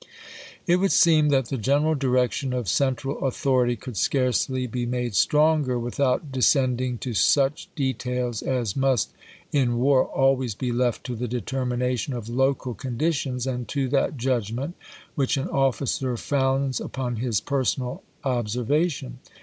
It would seem that the general direction of cen tral authority could scarcely be made stronger without descending to such details as must, in war, always be left to the determination of local condi tions, and to that judgment which an officer founds upon his personal observation.